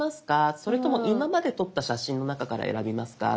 それとも「今まで撮った写真の中から選びますか？」